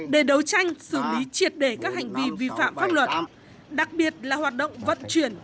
để đấu tranh xử lý triệt để các hành vi vi phạm pháp luật đặc biệt là hoạt động vận chuyển